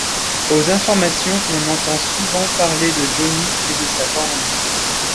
Aux informations, on entend souvent parler de Johnny et de sa bande.